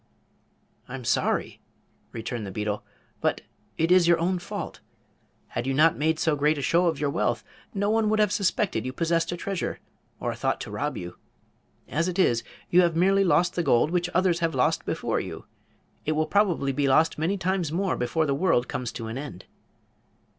"I'm sorry," returned the beetle; "but it is your own fault. Had you not made so great a show of your wealth no one would have suspected you possessed a treasure, or thought to rob you. As it is, you have merely lost the gold which others have lost before you. It will probably be lost many times more before the world comes to an end."